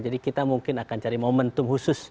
jadi kita mungkin akan cari momentum khusus